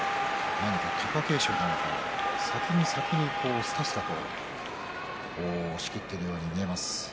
何か貴景勝の方が先にすたすたと仕切っているように見えます。